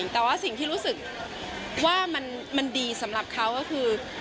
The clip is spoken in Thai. แต่ว่าสิ่งที่รู้สึกว่ามันดีสำหรับเขาก็คือ